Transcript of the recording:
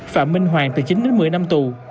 phạm minh hoàng từ chín một mươi năm tù